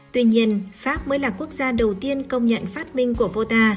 tuy nhiên pháp mới là quốc gia đầu tiên công nhận phát minh của vota